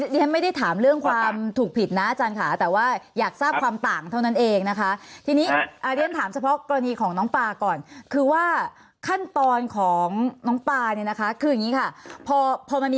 เรียบไม่ได้ถามเรื่องถูกผิดแล้วนะอาจารย์แต่ว่าอยากทราบ